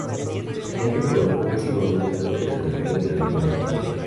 La gente colocó masivamente flores al lugar de las muertes.